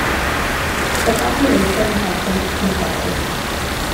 The population has since quintupled.